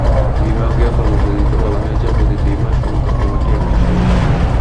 বিভাগীয় কর্মপদ্ধতিতে বলা হয়েছে, প্রতি দুই মাস অন্তর কমিটি একটি সভা করবে।